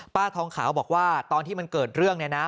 ป้าทองขาวบอกว่าตอนที่มันเกิดเรื่องเนี่ยนะ